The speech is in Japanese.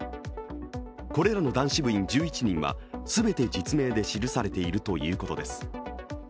これらの男子部員１１人は全て実名で記されているということです。